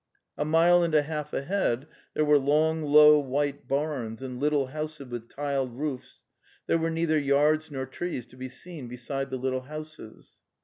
A mile and a half ahead there were long low white barns and little houses with tiled roofs; there were neither yards nor trees to be seen beside the little houses.